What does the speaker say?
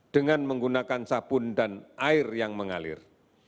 dengan menggunakan sabun dan air yang mengalir